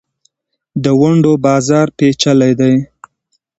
د ونډو بازار پېچلی دی.